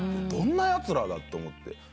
「どんなやつらだ？」と思って。